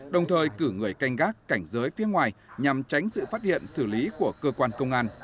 đồng thời cử người canh gác cảnh giới phía ngoài nhằm tránh sự phát hiện xử lý của cơ quan công an